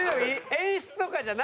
演出とかじゃないから。